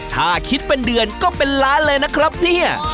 ถ้าคิดเป็นเดือนก็เป็นล้านเลยนะครับเนี่ย